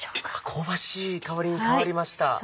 香ばしい香りに変わりました。